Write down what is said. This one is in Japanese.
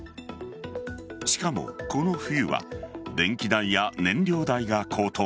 しかも、この冬は電気代や燃料代が高騰。